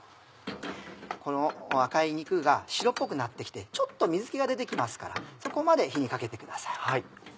この赤い肉が白っぽくなって来てちょっと水気が出て来ますからそこまで火にかけてください。